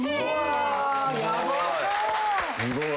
すごい。